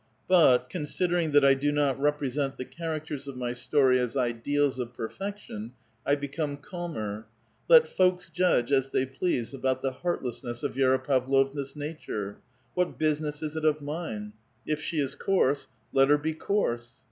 But, considering that I do not represent the characters of mj story as ideals of perfection, 1 become calmer. Let folks judge as they please about the heartlessness of Vi6ra Pavlovna's nature. What business is it of mine? If she is coarse, let her be coarse.